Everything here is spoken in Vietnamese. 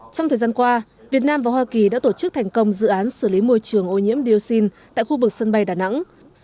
trong thời gian qua việt nam và hoa kỳ đã tổ chức thành công dự án xử lý môi trường ô nhiễm dioxin tại khu vực sân bay đà nẵng